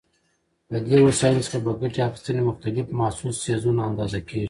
له دې وسایلو څخه په ګټې اخیستنې مختلف محسوس څیزونه اندازه کېږي.